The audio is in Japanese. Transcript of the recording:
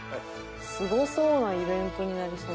すごそうなイベントになりそう。